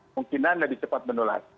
kemungkinan lebih cepat menular